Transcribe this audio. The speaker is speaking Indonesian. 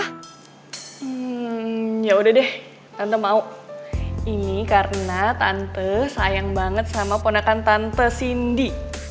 hmm yaudah deh tante mau ini karena tante sayang banget sama ponakan tante sindi